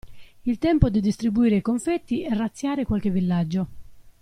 Il tempo di distribuire i confetti e razziare qualche villaggio.